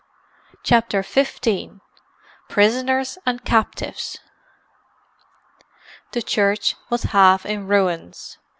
CHAPTER XV PRISONERS AND CAPTIVES The church was half in ruins.